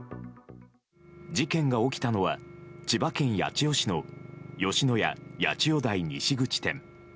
事件が起きたのは千葉県八千代市の吉野家八千代台西口店。